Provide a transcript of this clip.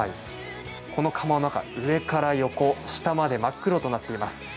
この窯の中、上から横下まで真っ黒となっています。